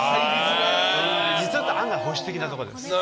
実は案外保守的なところです。